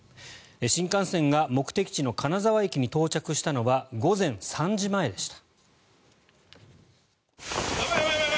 新幹線が目的地の金沢駅に到着したのは午前３時前でした。